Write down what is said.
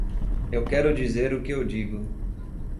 Eu quero dizer o que eu digo.